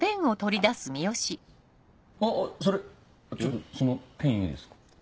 あっそれちょっとそのペンいいですか？